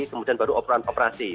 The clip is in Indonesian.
kemudian baru operasi